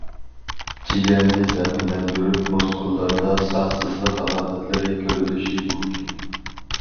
جىگەرنى زەخىملەندۈرۈپ، مۇسكۇللاردا ساقسىزلىق ئالامەتلىرى كۆرۈلۈشى مۇمكىن.